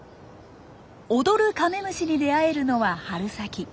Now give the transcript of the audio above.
踊るカメムシに出会えるのは春先。